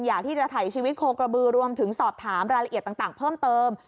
อยากที่จะถ่ายชีวิตโคกระบือรวมถึงสอบถามรายละเอียดต่างเพิ่มเติม